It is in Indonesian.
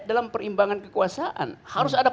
dalam perimbangan kekuasaan harus ada